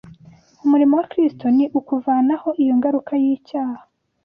Umurimo wa Kristo ni ukuvanaho iyo ngaruka y’icyaha.